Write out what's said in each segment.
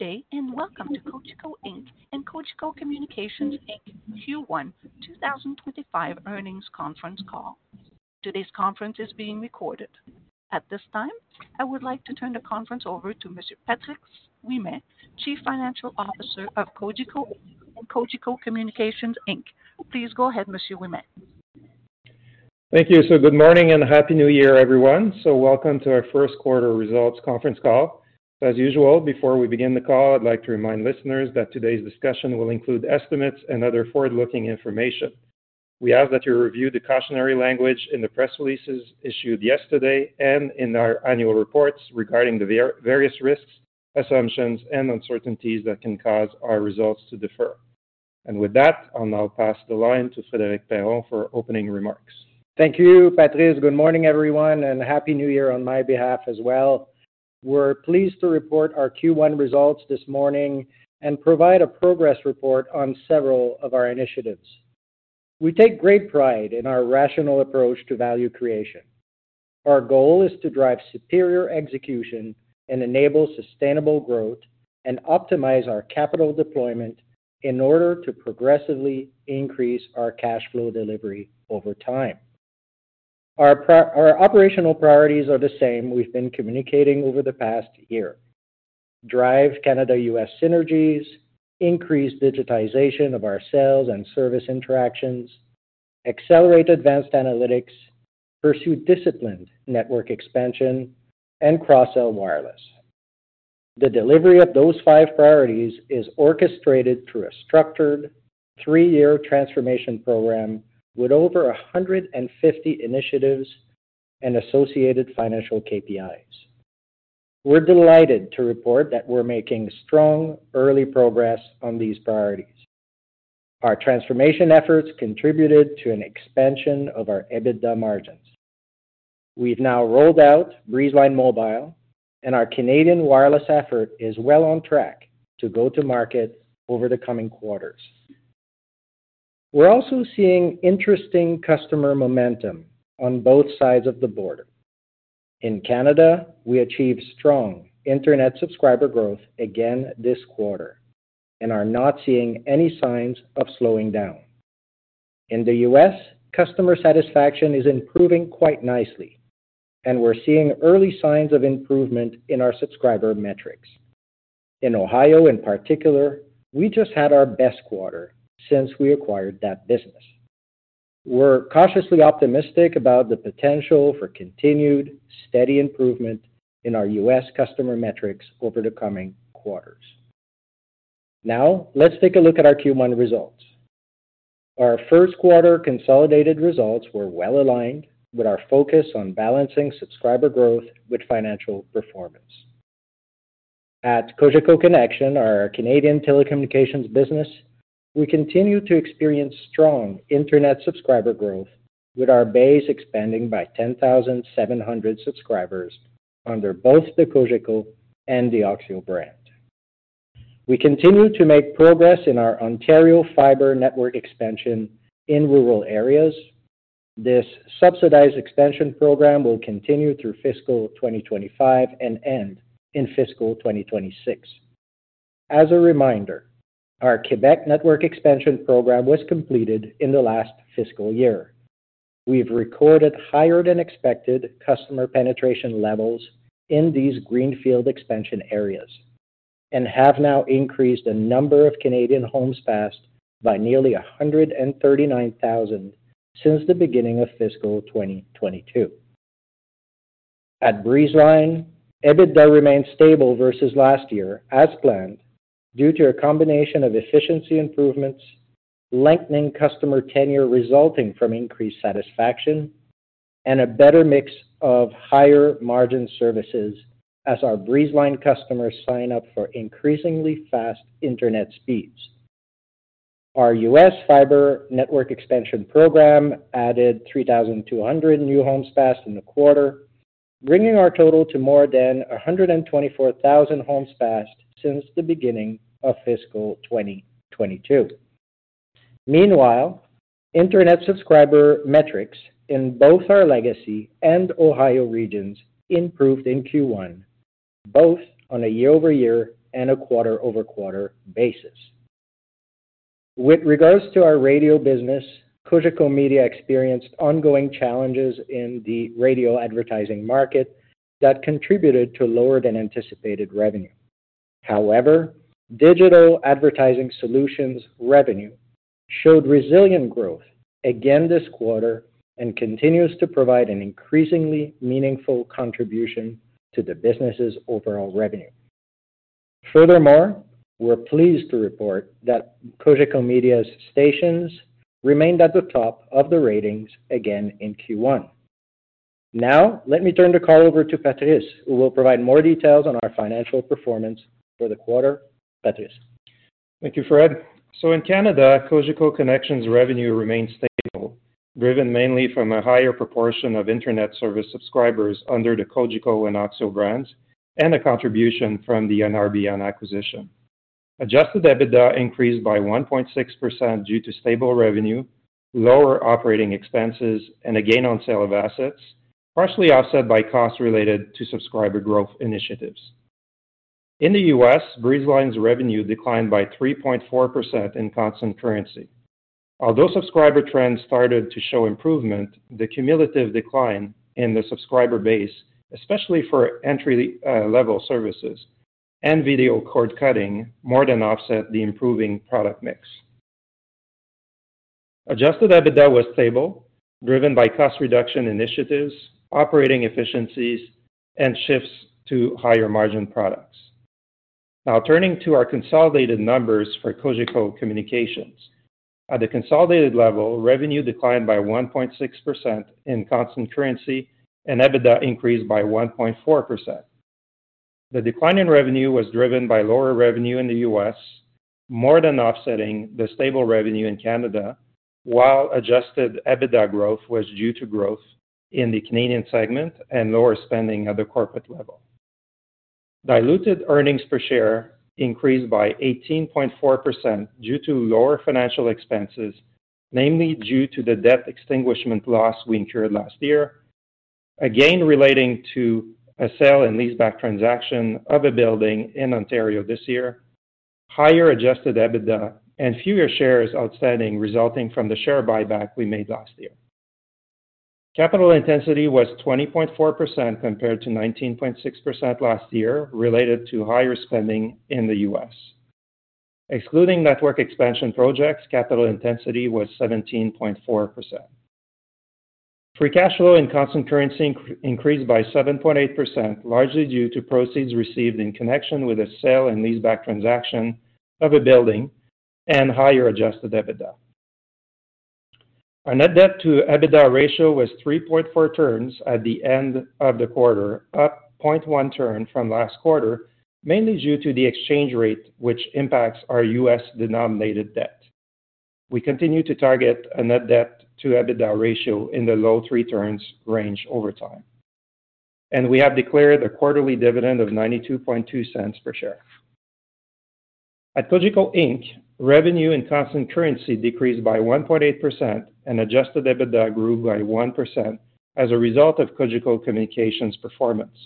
Good day and welcome to Cogeco Inc. and Cogeco Communications Inc. Q1 2025 earnings conference call. Today's conference is being recorded. At this time, I would like to turn the conference over to Mr. Patrice Ouimet, Chief Financial Officer of Cogeco Inc. and Cogeco Communications Inc. Please go ahead, Mr. Ouimet. Thank you. Good morning and happy New Year, everyone. Welcome to our first quarter results conference call. As usual, before we begin the call, I'd like to remind listeners that today's discussion will include estimates and other forward-looking information. We ask that you review the cautionary language in the press releases issued yesterday and in our annual reports regarding the various risks, assumptions, and uncertainties that can cause our results to differ. With that, I'll now pass the line to Frédéric Perron for opening remarks. Thank you, Patrice. Good morning, everyone, and happy New Year on my behalf as well. We're pleased to report our Q1 results this morning and provide a progress report on several of our initiatives. We take great pride in our rational approach to value creation. Our goal is to drive superior execution and enable sustainable growth and optimize our capital deployment in order to progressively increase our cash flow delivery over time. Our operational priorities are the same we've been communicating over the past year: drive Canada-U.S. synergies, increase digitization of our sales and service interactions, accelerate advanced analytics, pursue disciplined network expansion, and cross-sell wireless. The delivery of those five priorities is orchestrated through a structured three-year transformation program with over 150 initiatives and associated financial KPIs. We're delighted to report that we're making strong, early progress on these priorities. Our transformation efforts contributed to an expansion of our EBITDA margins. We've now rolled out Breezeline Mobile, and our Canadian wireless effort is well on track to go to market over the coming quarters. We're also seeing interesting customer momentum on both sides of the border. In Canada, we achieved strong internet subscriber growth again this quarter and are not seeing any signs of slowing down. In the U.S., customer satisfaction is improving quite nicely, and we're seeing early signs of improvement in our subscriber metrics. In Ohio, in particular, we just had our best quarter since we acquired that business. We're cautiously optimistic about the potential for continued, steady improvement in our U.S. customer metrics over the coming quarters. Now, let's take a look at our Q1 results. Our first quarter consolidated results were well aligned with our focus on balancing subscriber growth with financial performance. At Cogeco Connexion, our Canadian telecommunications business, we continue to experience strong internet subscriber growth, with our base expanding by 10,700 subscribers under both the Cogeco and the OXIO brand. We continue to make progress in our Ontario fiber network expansion in rural areas. This subsidized expansion program will continue through fiscal 2025 and end in fiscal 2026. As a reminder, our Quebec network expansion program was completed in the last fiscal year. We've recorded higher than expected customer penetration levels in these greenfield expansion areas and have now increased the number of Canadian homes passed by nearly 139,000 since the beginning of fiscal 2022. At Breezeline, EBITDA remains stable versus last year, as planned, due to a combination of efficiency improvements, lengthening customer tenure resulting from increased satisfaction, and a better mix of higher margin services as our Breezeline customers sign up for increasingly fast internet speeds. Our U.S. Fiber network expansion program added 3,200 new homes passed in the quarter, bringing our total to more than 124,000 homes passed since the beginning of fiscal 2022. Meanwhile, internet subscriber metrics in both our legacy and Ohio regions improved in Q1, both on a year-over-year and a quarter-over-quarter basis. With regards to our radio business, Cogeco Media experienced ongoing challenges in the radio advertising market that contributed to lower than anticipated revenue. However, digital advertising solutions revenue showed resilient growth again this quarter and continues to provide an increasingly meaningful contribution to the business's overall revenue. Furthermore, we're pleased to report that Cogeco Media's stations remained at the top of the ratings again in Q1. Now, let me turn the call over to Patrice, who will provide more details on our financial performance for the quarter. Patrice. Thank you, Fred. In Canada, Cogeco Connexion's revenue remained stable, driven mainly from a higher proportion of internet service subscribers under the Cogeco and OXIO brands and a contribution from the NRBN acquisition. Adjusted EBITDA increased by 1.6% due to stable revenue, lower operating expenses, and a gain on sale of assets, partially offset by costs related to subscriber growth initiatives. In the U.S., Breezeline's revenue declined by 3.4% in constant currency. Although subscriber trends started to show improvement, the cumulative decline in the subscriber base, especially for entry-level services and video cord-cutting, more than offset the improving product mix. Adjusted EBITDA was stable, driven by cost reduction initiatives, operating efficiencies, and shifts to higher margin products. Now, turning to our consolidated numbers for Cogeco Communications. At the consolidated level, revenue declined by 1.6% in constant currency and EBITDA increased by 1.4%. The decline in revenue was driven by lower revenue in the U.S., more than offsetting the stable revenue in Canada, while Adjusted EBITDA growth was due to growth in the Canadian segment and lower spending at the corporate level. Diluted earnings per share increased by 18.4% due to lower financial expenses, namely due to the debt extinguishment loss we incurred last year, again relating to a sale and leaseback transaction of a building in Ontario this year, higher Adjusted EBITDA, and fewer shares outstanding resulting from the share buyback we made last year. Capital intensity was 20.4% compared to 19.6% last year, related to higher spending in the U.S. Excluding network expansion projects, capital intensity was 17.4%. Free cash flow in constant currency increased by 7.8%, largely due to proceeds received in connection with a sale and leaseback transaction of a building and higher Adjusted EBITDA. Our net debt to EBITDA ratio was 3.4 turns at the end of the quarter, up 0.1 turn from last quarter, mainly due to the exchange rate, which impacts our U.S. denominated debt. We continue to target a net debt to EBITDA ratio in the low three turns range over time. We have declared a quarterly dividend of $0.922 per share. At Cogeco Inc., revenue in constant currency decreased by 1.8%, and adjusted EBITDA grew by 1% as a result of Cogeco Communications' performance.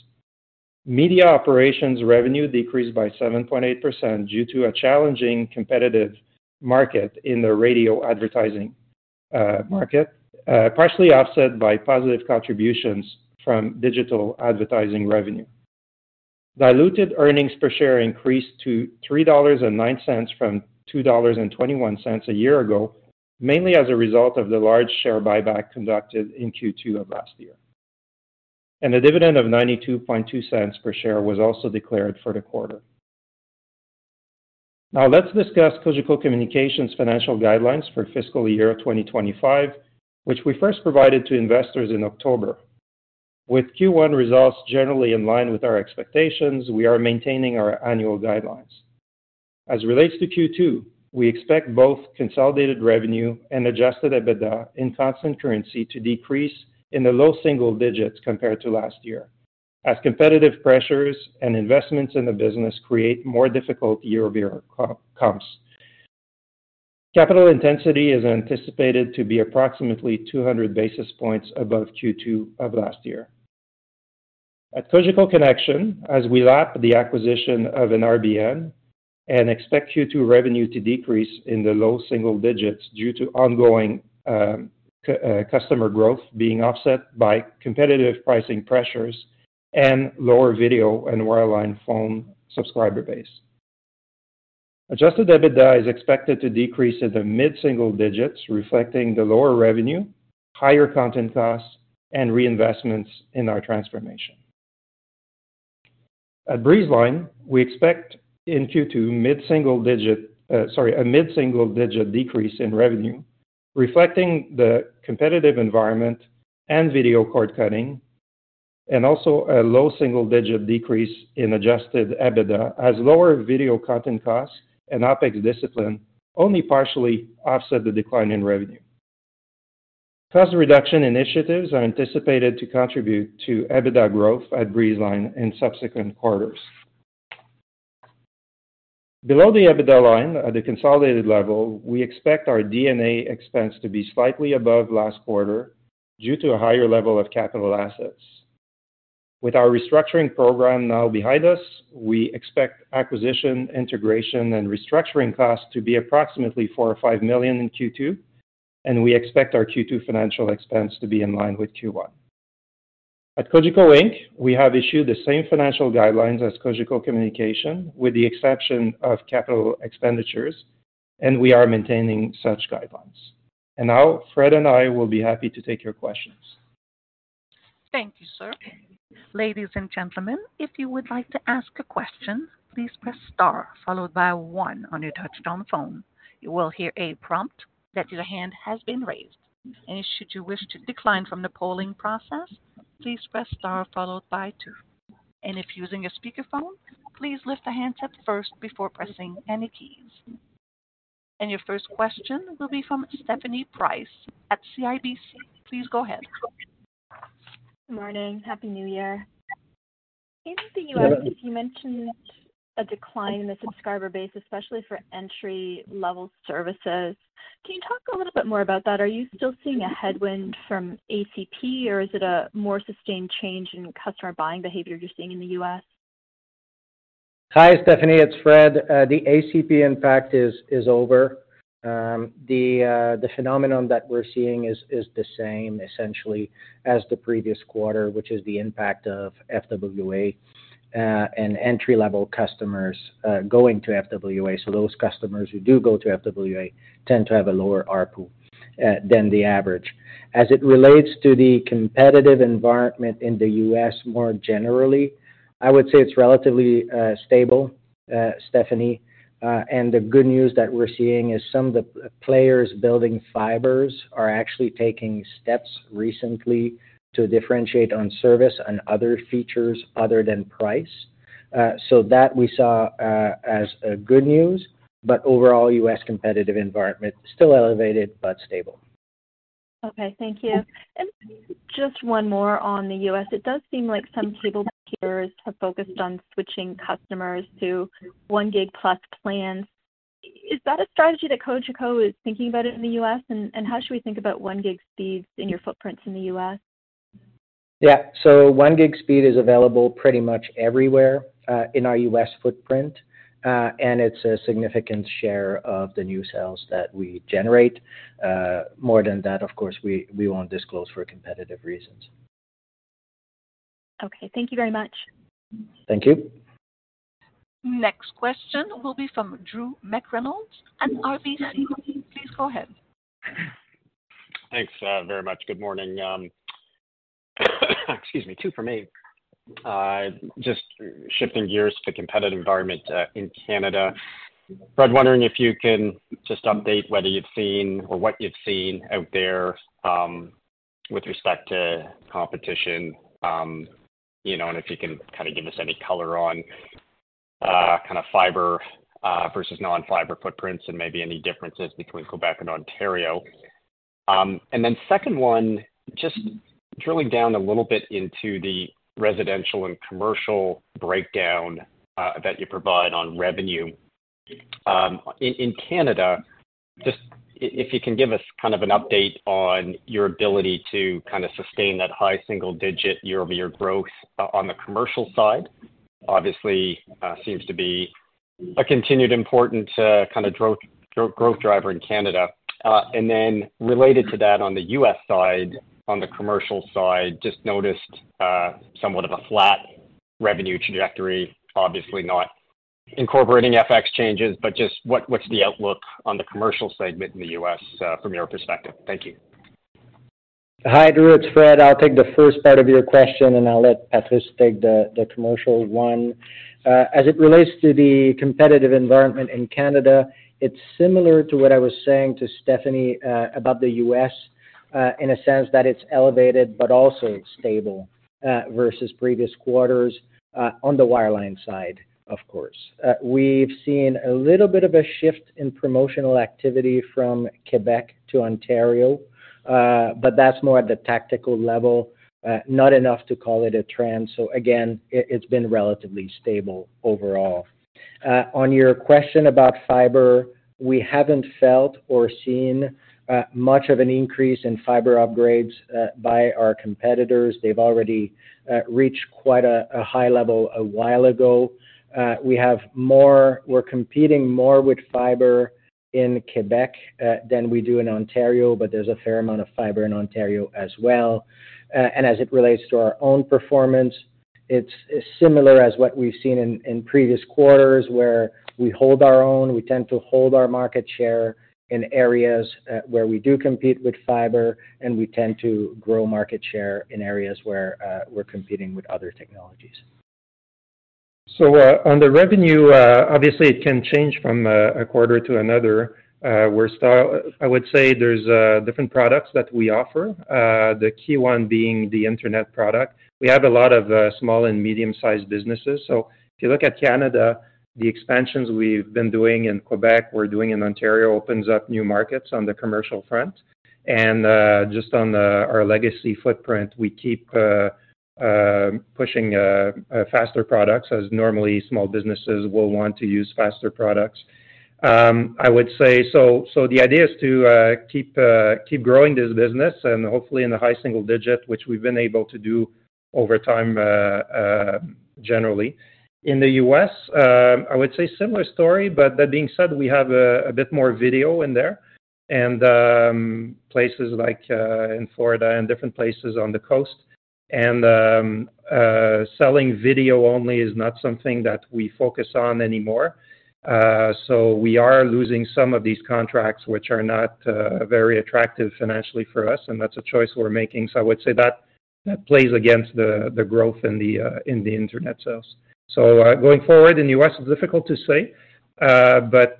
Media operations revenue decreased by 7.8% due to a challenging competitive market in the radio advertising market, partially offset by positive contributions from digital advertising revenue. Diluted earnings per share increased to $3.09 from $2.21 a year ago, mainly as a result of the large share buyback conducted in Q2 of last year. And a dividend of 0.922 per share was also declared for the quarter. Now, let's discuss Cogeco Communications' financial guidelines for fiscal year 2025, which we first provided to investors in October. With Q1 results generally in line with our expectations, we are maintaining our annual guidelines. As it relates to Q2, we expect both consolidated revenue and Adjusted EBITDA in constant currency to decrease in the low single digits compared to last year, as competitive pressures and investments in the business create more difficult year-over-year comps. Capital intensity is anticipated to be approximately 200 basis points above Q2 of last year. At Cogeco Connexion, as we wrap the acquisition of NRBN and expect Q2 revenue to decrease in the low single digits due to ongoing customer growth being offset by competitive pricing pressures and lower video and wireline phone subscriber base. Adjusted EBITDA is expected to decrease in the mid-single digits, reflecting the lower revenue, higher content costs, and reinvestments in our transformation. At Breezeline, we expect in Q2 mid-single digit, sorry, a mid-single digit decrease in revenue, reflecting the competitive environment and video cord cutting, and also a low single digit decrease in adjusted EBITDA, as lower video content costs and OPEX discipline only partially offset the decline in revenue. Cost reduction initiatives are anticipated to contribute to EBITDA growth at Breezeline in subsequent quarters. Below the EBITDA line at the consolidated level, we expect our D&A expense to be slightly above last quarter due to a higher level of capital assets. With our restructuring program now behind us, we expect acquisition, integration, and restructuring costs to be approximately 4 million or 5 million in Q2, and we expect our Q2 financial expense to be in line with Q1. At Cogeco Inc., we have issued the same financial guidelines as Cogeco Communications, with the exception of capital expenditures, and we are maintaining such guidelines, and now, Fred and I will be happy to take your questions. Thank you, sir. Ladies and gentlemen, if you would like to ask a question, please press star followed by one on your touch-tone phone. You will hear a prompt that your hand has been raised, and should you wish to decline from the polling process, please press star followed by two, and if using a speakerphone, please lift the handset up first before pressing any keys, and your first question will be from Stephanie Price at CIBC. Please go ahead. Good morning. Happy New Year. In the U.S., you mentioned a decline in the subscriber base, especially for entry-level services. Can you talk a little bit more about that? Are you still seeing a headwind from ACP, or is it a more sustained change in customer buying behavior you're seeing in the U.S.? Hi, Stephanie. It's Fred. The ACP, in fact, is over. The phenomenon that we're seeing is the same, essentially, as the previous quarter, which is the impact of FWA and entry-level customers going to FWA. So those customers who do go to FWA tend to have a lower ARPU than the average. As it relates to the competitive environment in the U.S. more generally, I would say it's relatively stable, Stephanie. And the good news that we're seeing is some of the players building fibers are actually taking steps recently to differentiate on service and other features other than price. So that we saw as good news. But overall, U.S. competitive environment still elevated but stable. Okay. Thank you. And just one more on the U.S. It does seem like some cable peers have focused on switching customers to 1GB+ plans. Is that a strategy that Cogeco is thinking about in the U.S., and how should we think about 1GB speeds in your footprints in the U.S.? Yeah. So 1GB speed is available pretty much everywhere in our U.S. footprint, and it's a significant share of the new sales that we generate. More than that, of course, we won't disclose for competitive reasons. Okay. Thank you very much. Thank you. Next question will be from Drew McReynolds at RBC. Please go ahead. Thanks very much. Good morning. Excuse me, two for me. Just shifting gears to the competitive environment in Canada. Fred, wondering if you can just update whether you've seen or what you've seen out there with respect to competition, and if you can kind of give us any color on kind of fiber versus non-fiber footprints and maybe any differences between Quebec and Ontario. And then second one, just drilling down a little bit into the residential and commercial breakdown that you provide on revenue. In Canada, just if you can give us kind of an update on your ability to kind of sustain that high single-digit year-over-year growth on the commercial side. Obviously, seems to be a continued important kind of growth driver in Canada. And then related to that on the U.S. side, on the commercial side, just noticed somewhat of a flat revenue trajectory, obviously not incorporating FX changes, but just what's the outlook on the commercial segment in the U.S. from your perspective? Thank you. Hi, Drew. It's Fred. I'll take the first part of your question, and I'll let Patrice take the commercial one. As it relates to the competitive environment in Canada, it's similar to what I was saying to Stephanie about the U.S. in a sense that it's elevated but also stable versus previous quarters on the wireline side, of course. We've seen a little bit of a shift in promotional activity from Quebec to Ontario, but that's more at the tactical level, not enough to call it a trend. So again, it's been relatively stable overall. On your question about fiber, we haven't felt or seen much of an increase in fiber upgrades by our competitors. They've already reached quite a high level a while ago. We have more, we're competing more with fiber in Quebec than we do in Ontario, but there's a fair amount of fiber in Ontario as well. As it relates to our own performance, it's similar as what we've seen in previous quarters where we hold our own. We tend to hold our market share in areas where we do compete with fiber, and we tend to grow market share in areas where we're competing with other technologies. On the revenue, obviously, it can change from a quarter to another. I would say there's different products that we offer, the key one being the internet product. We have a lot of small and medium-sized businesses. If you look at Canada, the expansions we've been doing in Quebec, we're doing in Ontario opens up new markets on the commercial front. Just on our legacy footprint, we keep pushing faster products as normally small businesses will want to use faster products. I would say the idea is to keep growing this business and hopefully in the high single digit, which we've been able to do over time generally. In the U.S., I would say similar story, but that being said, we have a bit more video in there and places like in Florida and different places on the coast. And selling video only is not something that we focus on anymore. So we are losing some of these contracts which are not very attractive financially for us, and that's a choice we're making. So I would say that plays against the growth in the internet sales. So going forward in the U.S., it's difficult to say, but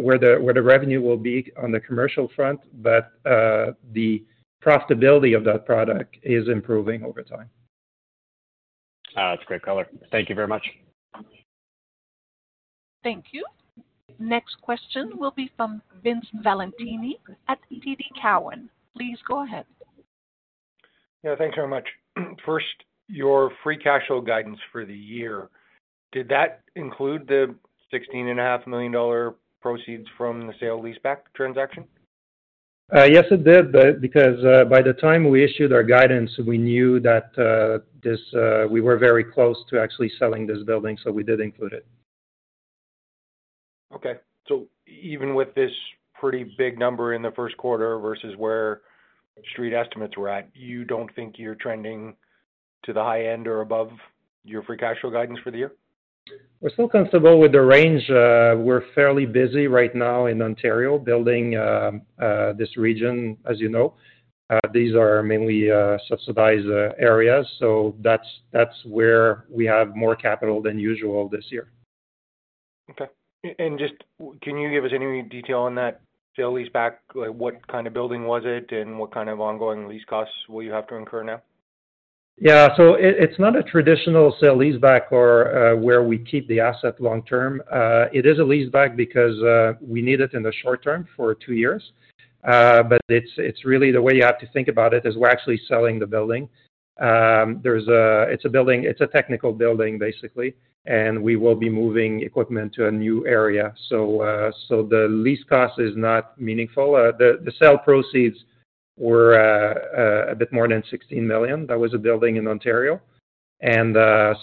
where the revenue will be on the commercial front, but the profitability of that product is improving over time. That's a great color. Thank you very much. Thank you. Next question will be from Vince Valentini at TD Cowen. Please go ahead. Yeah. Thanks very much. First, your free cash flow guidance for the year, did that include the $16.5 million proceeds from the sale leaseback transaction? Yes, it did, because by the time we issued our guidance, we knew that we were very close to actually selling this building, so we did include it. Okay, so even with this pretty big number in the first quarter versus where street estimates were at, you don't think you're trending to the high end or above your free cash flow guidance for the year? We're still comfortable with the range. We're fairly busy right now in Ontario building this region, as you know. These are mainly subsidized areas, so that's where we have more capital than usual this year. Okay, and just can you give us any detail on that sale leaseback? What kind of building was it, and what kind of ongoing lease costs will you have to incur now? Yeah. So it's not a traditional sale leaseback or where we keep the asset long term. It is a leaseback because we need it in the short term for two years. But it's really the way you have to think about it is we're actually selling the building. It's a technical building, basically, and we will be moving equipment to a new area. So the lease cost is not meaningful. The sale proceeds were a bit more than 16 million. That was a building in Ontario. And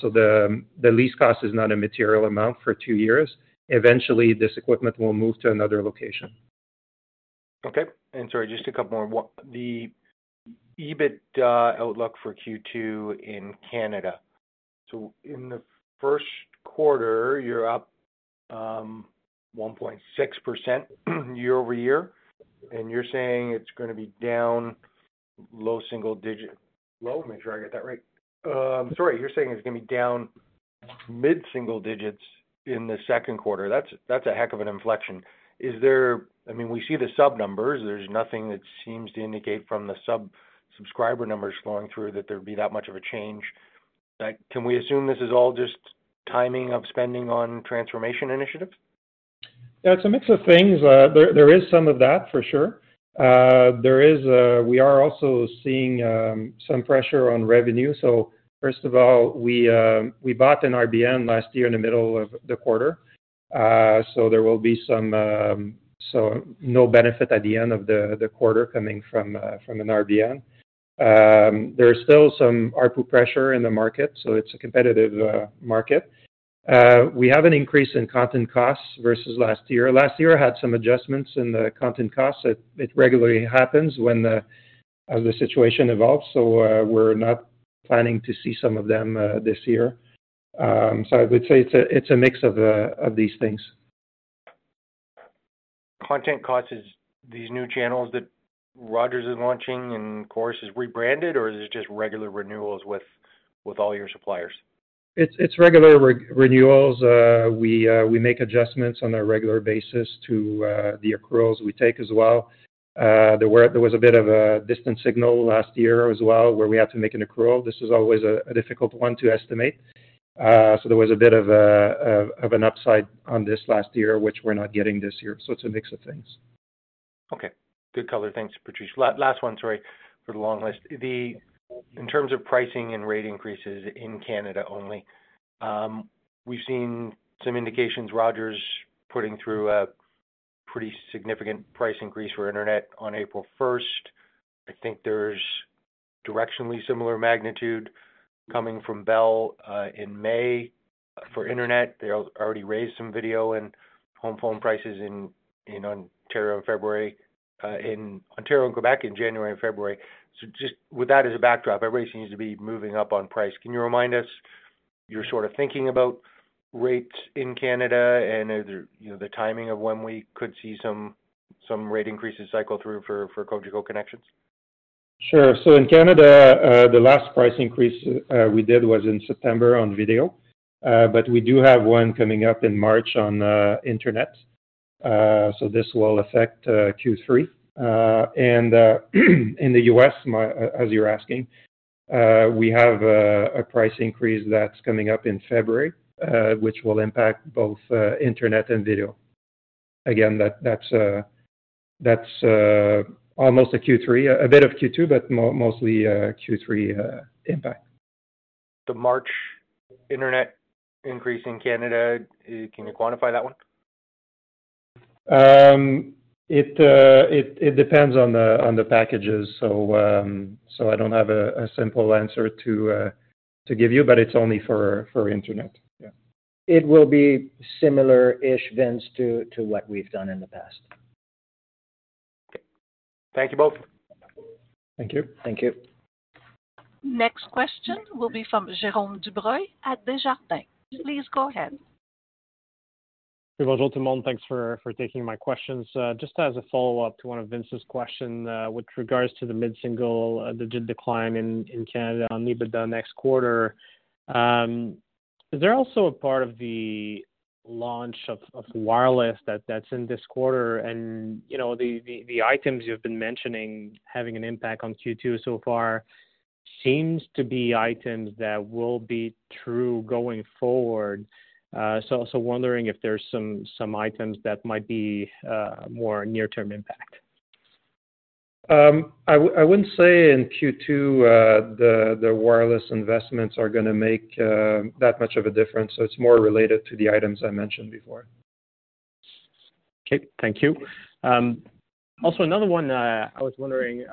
so the lease cost is not a material amount for two years. Eventually, this equipment will move to another location. Okay. And sorry, just a couple more. The EBIT outlook for Q2 in Canada. So in the first quarter, you're up 1.6% year-over-year, and you're saying it's going to be down low single digit. Make sure I get that right. Sorry. You're saying it's going to be down mid-single digits in the second quarter. That's a heck of an inflection. I mean, we see the sub numbers. There's nothing that seems to indicate from the subscriber numbers flowing through that there'd be that much of a change. Can we assume this is all just timing of spending on transformation initiatives? Yeah. It's a mix of things. There is some of that for sure. We are also seeing some pressure on revenue. So first of all, we bought an NRBN last year in the middle of the quarter. So there will be no benefit at the end of the quarter coming from an NRBN. There is still some ARPU pressure in the market, so it's a competitive market. We have an increase in content costs versus last year. Last year had some adjustments in the content costs. It regularly happens as the situation evolves. So we're not planning to see some of them this year. So I would say it's a mix of these things. Content costs is these new channels that Rogers is launching and Corus is rebranded, or is it just regular renewals with all your suppliers? It's regular renewals. We make adjustments on a regular basis to the accruals we take as well. There was a bit of a distant signal last year as well where we had to make an accrual. This is always a difficult one to estimate. So there was a bit of an upside on this last year, which we're not getting this year. So it's a mix of things. Okay. Good color. Thanks, Patrice. Last one, sorry, for the long list. In terms of pricing and rate increases in Canada only, we've seen some indications Rogers putting through a pretty significant price increase for internet on April 1st. I think there's directionally similar magnitude coming from Bell in May for internet. They already raised some video and home phone prices in Ontario in February, in Ontario and Quebec in January and February. So just with that as a backdrop, everybody seems to be moving up on price. Can you remind us you're sort of thinking about rates in Canada and the timing of when we could see some rate increases cycle through for Cogeco Connexion? Sure. So in Canada, the last price increase we did was in September on video, but we do have one coming up in March on internet. So this will affect Q3. And in the U.S., as you're asking, we have a price increase that's coming up in February, which will impact both internet and video. Again, that's almost a Q3, a bit of Q2, but mostly Q3 impact. The March internet increase in Canada, can you quantify that one? It depends on the packages. So I don't have a simple answer to give you, but it's only for internet. Yeah. It will be similar-ish, Vince, to what we've done in the past. Okay. Thank you both. Thank you. Thank you. Next question will be from Jérome Dubreuil at Desjardins. Please go ahead. Hey, bonjour, tout le monde. Thanks for taking my questions. Just as a follow-up to one of Vince's questions with regards to the mid-single digit decline in Canada on EBITDA next quarter, is there also a part of the launch of wireless that's in this quarter? And the items you've been mentioning having an impact on Q2 so far seems to be items that will be true going forward. So wondering if there's some items that might be more near-term impact. I wouldn't say in Q2 the wireless investments are going to make that much of a difference. So it's more related to the items I mentioned before. Okay. Thank you. Also, another one I was wondering,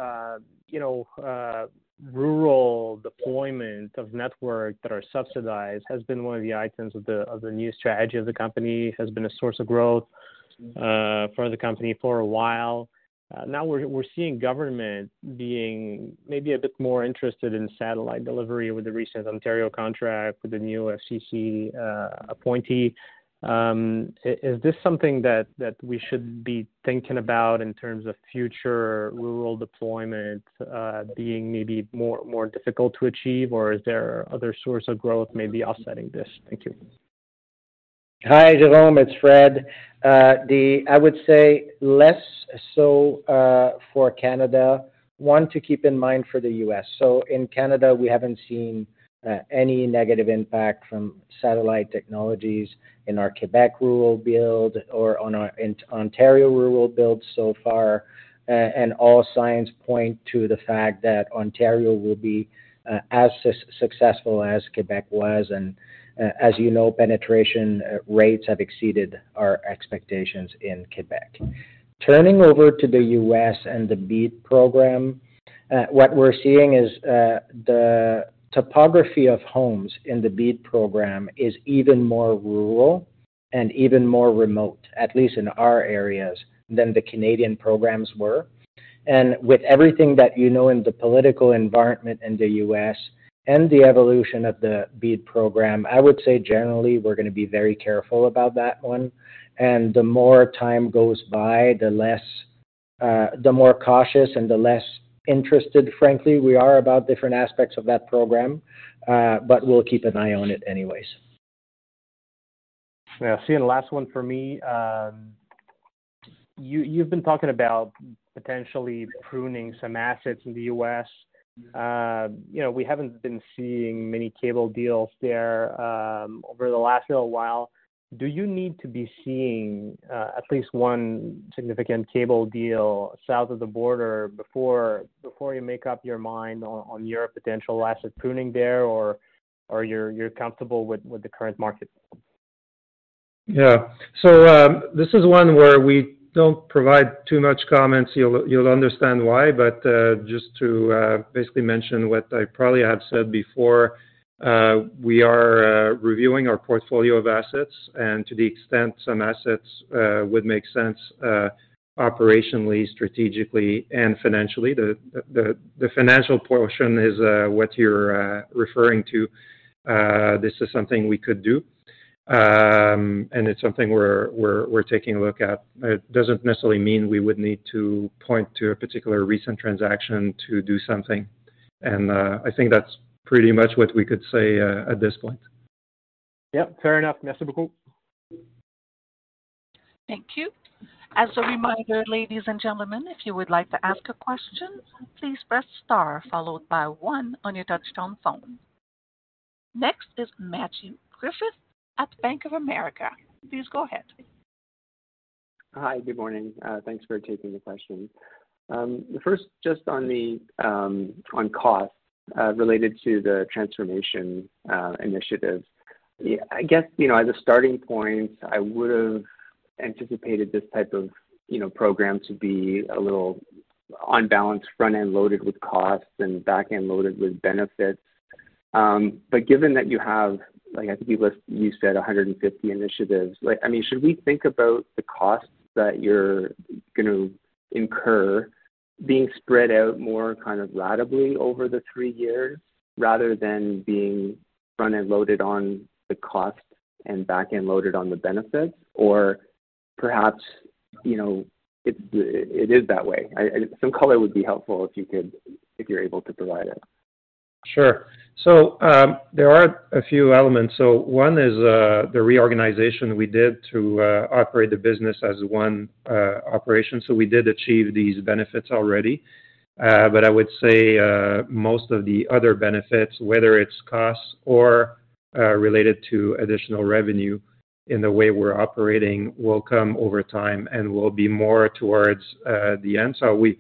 rural deployment of network that are subsidized has been one of the items of the new strategy of the company, has been a source of growth for the company for a while. Now we're seeing government being maybe a bit more interested in satellite delivery with the recent Ontario contract with the new FCC appointee. Is this something that we should be thinking about in terms of future rural deployment being maybe more difficult to achieve, or is there other source of growth maybe offsetting this? Thank you. Hi, Jérome. It's Fred. I would say less so for Canada. One to keep in mind for the U.S. So in Canada, we haven't seen any negative impact from satellite technologies in our Quebec rural build or on our Ontario rural build so far. And all signs point to the fact that Ontario will be as successful as Quebec was. And as you know, penetration rates have exceeded our expectations in Quebec. Turning over to the U.S. and the BEAD program, what we're seeing is the topography of homes in the BEAD program is even more rural and even more remote, at least in our areas, than the Canadian programs were. And with everything that you know in the political environment in the U.S. and the evolution of the BEAD program, I would say generally we're going to be very careful about that one. The more time goes by, the more cautious and the less interested, frankly, we are about different aspects of that program, but we'll keep an eye on it anyways. Yeah. See, and last one for me. You've been talking about potentially pruning some assets in the U.S. We haven't been seeing many cable deals there over the last little while. Do you need to be seeing at least one significant cable deal south of the border before you make up your mind on your potential asset pruning there, or you're comfortable with the current market? Yeah. So this is one where we don't provide too much comments. You'll understand why. But just to basically mention what I probably have said before, we are reviewing our portfolio of assets. And to the extent some assets would make sense operationally, strategically, and financially. The financial portion is what you're referring to. This is something we could do, and it's something we're taking a look at. It doesn't necessarily mean we would need to point to a particular recent transaction to do something. And I think that's pretty much what we could say at this point. Yep. Fair enough. Merci beaucoup. Thank you. As a reminder, ladies and gentlemen, if you would like to ask a question, please press star followed by one on your touch-tone phone. Next is Matthew Griffiths at Bank of America. Please go ahead. Hi. Good morning. Thanks for taking the question. First, just on costs related to the transformation initiative. I guess as a starting point, I would have anticipated this type of program to be a little unbalanced, front-end loaded with costs and back-end loaded with benefits. But given that you have, I think you said 150 initiatives, I mean, should we think about the costs that you're going to incur being spread out more kind of radically over the three years rather than being front-end loaded on the costs and back-end loaded on the benefits? Or perhaps it is that way. Some color would be helpful if you're able to provide it. Sure. So there are a few elements. So one is the reorganization we did to operate the business as one operation. So we did achieve these benefits already. But I would say most of the other benefits, whether it's costs or related to additional revenue in the way we're operating, will come over time and will be more towards the end. We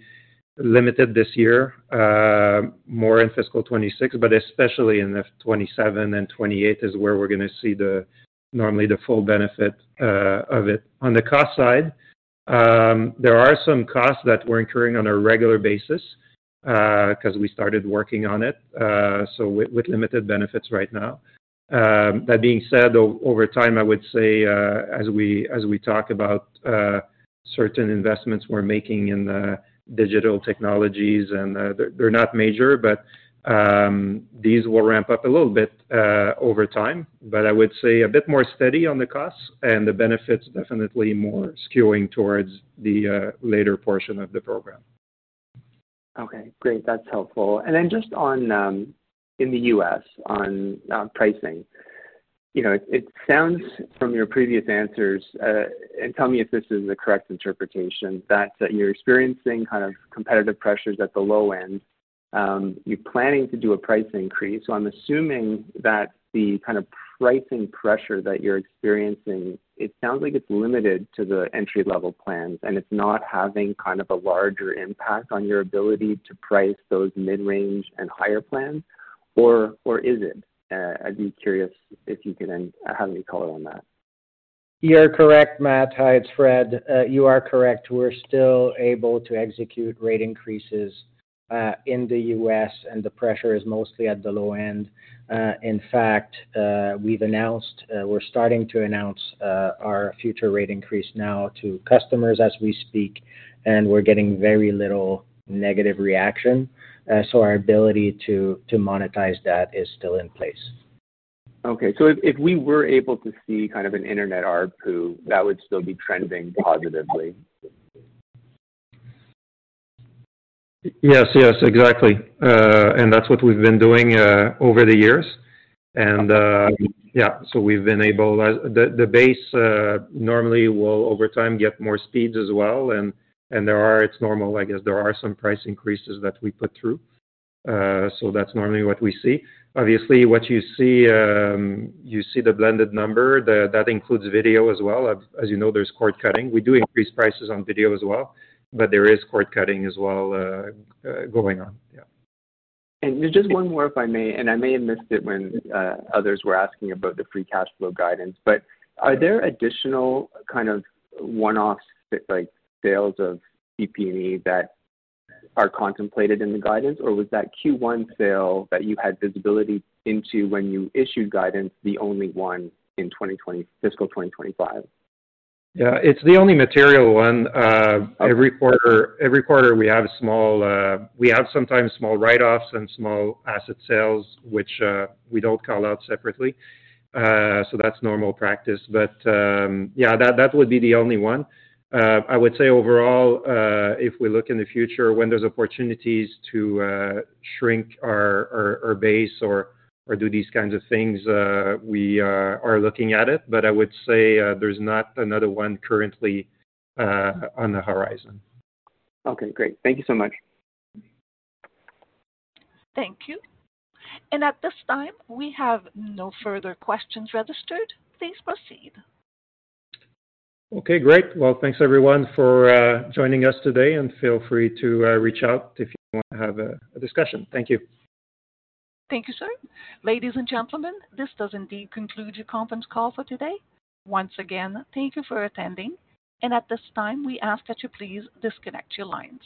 limited this year more in fiscal 2026, but especially in 2027 and 2028 is where we're going to see normally the full benefit of it. On the cost side, there are some costs that we're incurring on a regular basis because we started working on it, so with limited benefits right now. That being said, over time, I would say as we talk about certain investments we're making in digital technologies, and they're not major, but these will ramp up a little bit over time. But I would say a bit more steady on the costs and the benefits, definitely more skewing towards the later portion of the program. Okay. Great. That's helpful. And then just in the U.S., on pricing, it sounds from your previous answers, and tell me if this is the correct interpretation, that you're experiencing kind of competitive pressures at the low end. You're planning to do a price increase. So I'm assuming that the kind of pricing pressure that you're experiencing, it sounds like it's limited to the entry-level plans, and it's not having kind of a larger impact on your ability to price those mid-range and higher plans. Or is it? I'd be curious if you can have any color on that. You're correct, Matt. Hi, it's Fred. You are correct. We're still able to execute rate increases in the U.S., and the pressure is mostly at the low end. In fact, we've announced, we're starting to announce our future rate increase now to customers as we speak, and we're getting very little negative reaction. So our ability to monetize that is still in place. Okay, so if we were able to see kind of an internet ARPU, that would still be trending positively. Yes. Yes. Exactly. And that's what we've been doing over the years. And yeah, so we've been able to, the base normally will over time get more speeds as well. And it's normal, I guess, there are some price increases that we put through. So that's normally what we see. Obviously, what you see, you see the blended number. That includes video as well. As you know, there's cord cutting. We do increase prices on video as well, but there is cord cutting as well going on. Yeah. And just one more, if I may, and I may have missed it when others were asking about the free cash flow guidance, but are there additional kind of one-off sales of PP&E that are contemplated in the guidance, or was that Q1 sale that you had visibility into when you issued guidance the only one in fiscal 2025? Yeah. It's the only material one. Every quarter, we have sometimes small write-offs and small asset sales, which we don't call out separately. So that's normal practice. But yeah, that would be the only one. I would say overall, if we look in the future when there's opportunities to shrink our base or do these kinds of things, we are looking at it. But I would say there's not another one currently on the horizon. Okay. Great. Thank you so much. Thank you, and at this time, we have no further questions registered. Please proceed. Okay. Great. Well, thanks everyone for joining us today, and feel free to reach out if you want to have a discussion. Thank you. Thank you, sir. Ladies and gentlemen, this does indeed conclude your conference call for today. Once again, thank you for attending. And at this time, we ask that you please disconnect your lines.